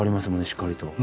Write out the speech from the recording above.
しっかりと。